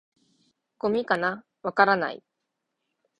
「ゴミかな？」「わからない」